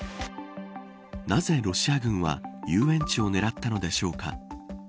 なぜロシア軍は遊園地を狙ったのでしょうか。